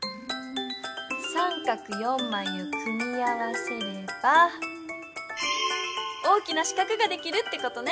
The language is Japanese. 三角４まいを組み合わせれば大きな四角ができるってことね！